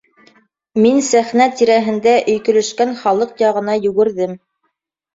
Мин сәхнә тирәһендә өйкөлөшкән халыҡ яғына йүгерҙем.